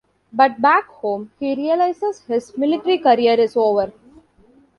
But back home he realizes his military career is over.